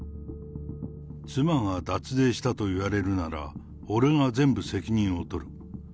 妻が脱税したといわれるなら、俺が全部責任を取る。